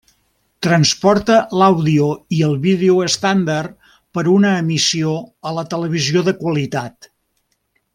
Transporta l’àudio i el vídeo estàndard per una emissió a la televisió de qualitat.